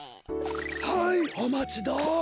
はいおまちどう。